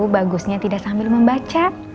bagusnya tidak sambil membaca